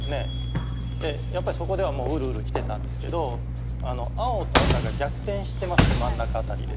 やっぱそこではもううるうるきてたんですけど青と赤が逆転してますね真ん中辺りで。